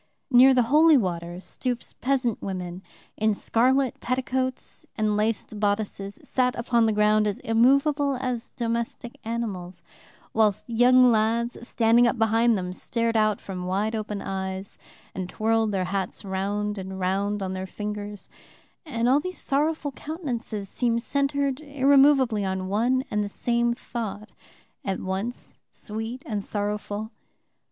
Near the holy water stoups peasant women, in scarlet petticoats and laced bodices, sat upon the ground as immovable as domestic animals, whilst young lads, standing up behind them, stared out from wide open eyes and twirled their hats round and round on their fingers, and all these sorrowful countenances seemed centred irremovably on one and the same thought, at once sweet and sorrowful.